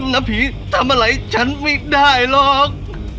นะผีทำอะไรฉันไม่ได้หรอก